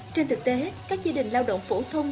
trên thực tế các gia đình lao động phổ thông